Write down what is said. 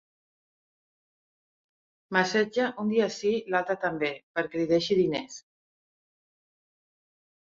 M'assetja un dia sí l'altre també perquè li deixi diners.